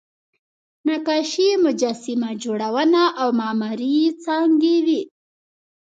نقاشي، مجسمه جوړونه او معماري یې څانګې وې.